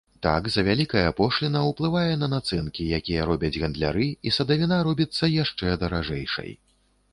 Так завялікая пошліна ўплывае на нацэнкі, якія робяць гандляры, і садавіна робіцца яшчэ даражэйшай.